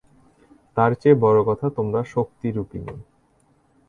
তার চেয়ে বড়ো কথা তোমারা শক্তিরূপিণী।